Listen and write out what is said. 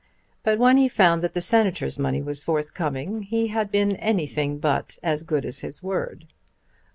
But, when he found that the Senator's money was forthcoming, he had been anything but as good as his word.